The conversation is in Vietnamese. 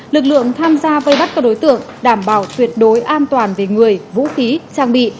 lực lượng tham gia vây bắt các đối tượng đảm bảo tuyệt đối an toàn về người vũ khí trang bị